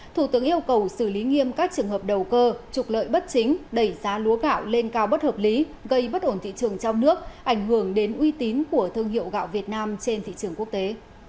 thủ tướng yêu cầu xử lý nghiêm các trường hợp đầu cơ trục lợi bất chính đẩy giá lúa gạo lên cao bất hợp lý gây bất ổn thị trường trong nước ảnh hưởng đến uy tín của thương hiệu gạo việt nam trên thị trường quốc tế